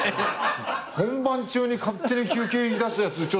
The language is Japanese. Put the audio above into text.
本番中に勝手に休憩言いだすやつ